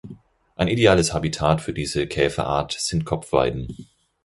Ein ideales Habitat für diese Käferart sind Kopfweiden.